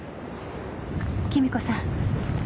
君子さん。